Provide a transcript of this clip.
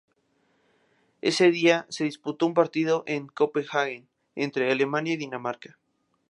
Ese día, se disputó un partido en Copenhagen entre Alemania y Dinamarca.